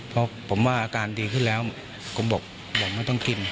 เพราะผมว่าอาการดีขึ้นแล้วผมบอกไม่ต้องกิน